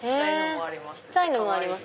小っちゃいのもあります。